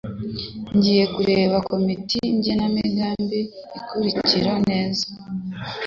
ngiye Kureba ko Komite Ngenamigambi ikurikira neza